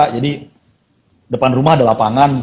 jadi depan rumah ada lapangan